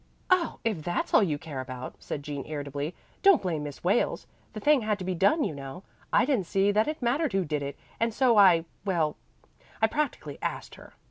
"Oh, if that's all you care about," said Jean irritably, "don't blame Miss Wales. The thing had to be done you know. I didn't see that it mattered who did it, and so I well, I practically asked her.